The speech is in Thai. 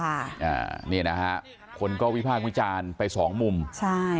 อ่านี่นะฮะคนก็วิพากษ์วิจารณ์ไปสองมุมใช่